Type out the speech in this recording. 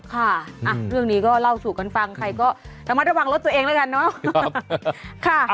ค่ะเรื่องนี้ก็เล่าสู่กันฟังใครก็ระมัดระวังรถตัวเองแล้วกันเนาะ